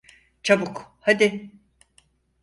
Çabuk, hadi!